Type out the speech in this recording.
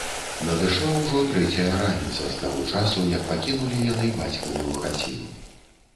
Надышла ўжо трэцяя раніца з таго часу, як пакінулі яны бацькавую хаціну